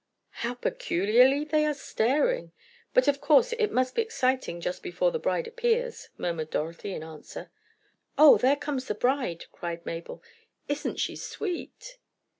"How peculiarly they are all staring! But of course it must be exciting just before the bride appears," murmured Dorothy, in answer. "Oh, there comes the bride!" cried Mabel. "Isn't she sweet!"